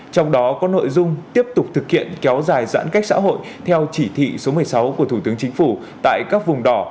trong đó có nội dung tiếp tục thực hiện kéo dài giãn cách xã hội theo chỉ thị số một mươi sáu của thủ tướng chính phủ tại các vùng đỏ